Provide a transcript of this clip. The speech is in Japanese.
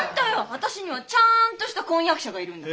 私にはちゃんとした婚約者がいるんだから。